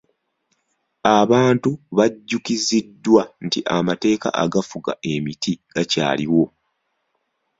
Abantu bajjukiziddwa nti amateeka agafuga emiti gakyaliwo.